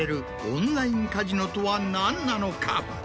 オンラインカジノとは何なのか？